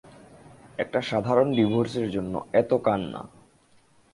একটা সাধারণ ডিভোর্সের জন্য এতো কান্না!